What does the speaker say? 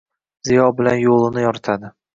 Ziyo bilan yo‘lini yoritadi.